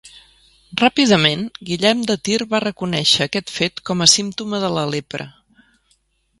Ràpidament, Guillem de Tir va reconèixer aquest fet com a símptoma de la lepra.